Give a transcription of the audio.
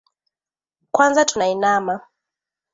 Kwanza tuna inama.